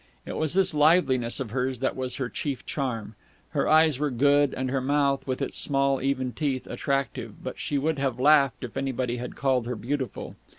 It was this liveliness of hers that was her chief charm. Her eyes were good and her mouth, with its small, even teeth, attractive, but she would have laughed if anybody had called her beautiful.